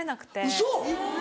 ウソ！